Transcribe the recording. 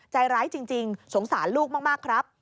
ใจร้ายจริงสงสารลูกมากครับ